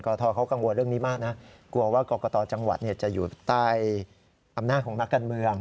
กลัวว่ากรกฎาจังหวัดจะอยู่ใต้ภรรณาของนักการเมือง